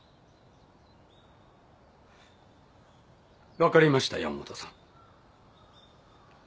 分かりました山本さん。